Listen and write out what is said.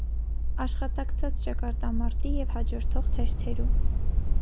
Աշխատակցած ճակատամարտի եւ յաջորդող թերթերու։